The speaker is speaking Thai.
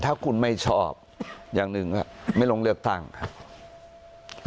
ถ้าคุณไม่ชอบอย่างหนึ่งไม่ลงเลือกตั้งครับ